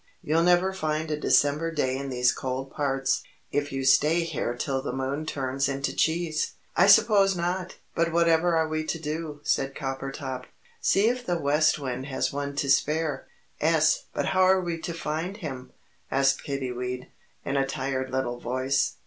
"You'll never find a December day in these cold parts, if you stay here till the moon turns into cheese." "I suppose not. But whatever are we to do?" said Coppertop. "See if the West Wind has one to spare." "'Es, but how are we to find him?" asked Kiddiwee, in a tired little voice.